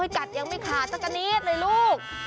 กัดยังไม่ขาดสักกะนิดเลยลูก